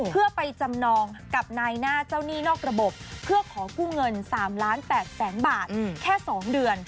เพื่อไปจำนองกับนายหน้าเจ้าหนี้นอกระบบเพื่อขอกู้เงิน๓ล้าน๘แสนบาทแค่๒เดือน